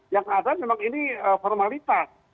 yang ada memang ini formalitas